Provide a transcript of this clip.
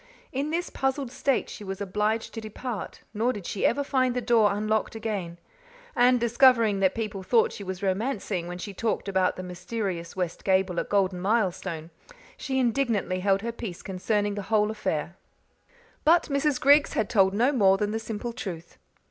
In this puzzled state she was obliged to depart, nor did she ever find the door unlocked again; and, discovering that people thought she was romancing when she talked about the mysterious west gable at Golden Milestone, she indignantly held her peace concerning the whole affair. But Mrs. Griggs had told no more than the simple truth.